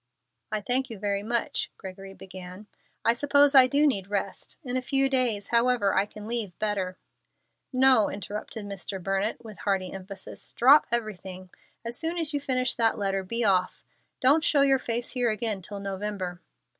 "I thank you very much," Gregory began. "I suppose I do need rest. In a few days, however, I can leave better " "No," interrupted Mr. Burnett, with hearty emphasis; "drop everything. As soon as you finish that letter, be off. Don't show your face here again till November."